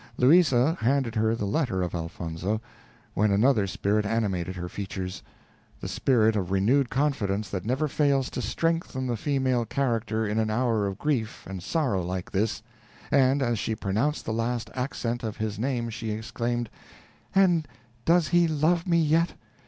Louisa handed her the letter of Elfonzo, when another spirit animated her features the spirit of renewed confidence that never fails to strengthen the female character in an hour of grief and sorrow like this, and as she pronounced the last accent of his name, she exclaimed, "And does he love me yet!